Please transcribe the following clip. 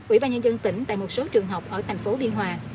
ủy ban nhân dân tỉnh tại một số trường học ở thành phố biên hòa